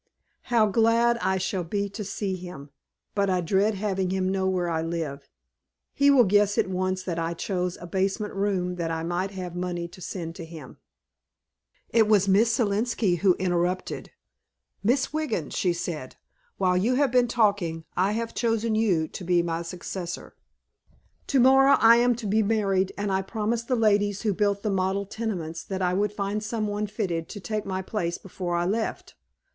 "How glad I shall be to see him, but I dread having him know where I live. He will guess at once that I chose a basement room that I might have money to send to him." It was Miss Selenski who interrupted: "Miss Wiggin," she said, "while you have been talking, I have chosen you to be my successor. Tomorrow I am to be married, and I promised the ladies who built the model tenements that I would find someone fitted to take my place before I left.